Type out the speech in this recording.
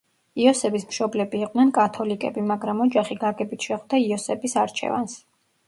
იოსების მშობლები იყვნენ კათოლიკები, მაგრამ ოჯახი გაგებით შეხვდა იოსების არჩევანს.